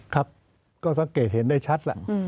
ครับก็สังเกตเห็นได้ชัดแหละ